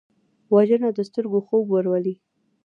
وژنه د سترګو خوب ورولي